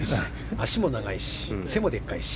足も長いし背もでかいし。